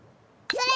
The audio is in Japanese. それ！